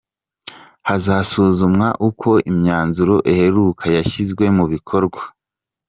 Hazasuzumwa uko imyanzuro iheruka yashyizwe mu bikorwa.